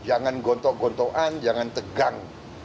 jangan gontok gontokan jangan tegang